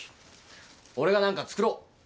俺が何か作ろう。